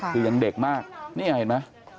คือยังเด็กมากนี่เห็นไหม